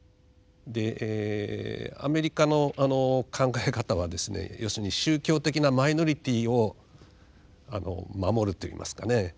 でアメリカの考え方はですね要するに宗教的なマイノリティーを守るといいますかね。